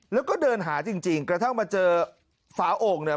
แล้วก็เดินหาจริงกระทั่งมาเจอฝาโอ่งเนี่ย